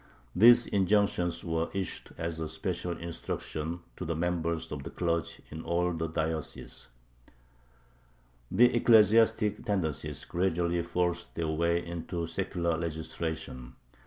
These injunctions were issued as special instructions to the members of the clergy in all the dioceses. The ecclesiastic tendencies gradually forced their way into secular legislation.